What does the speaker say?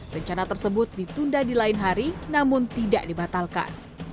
rencana tersebut ditunda di lain hari namun tidak dibatalkan